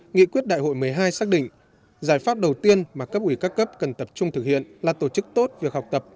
nghị quyết đại hội một mươi hai xác định giải pháp đầu tiên mà cấp ủy các cấp cần tập trung thực hiện là tổ chức tốt việc học tập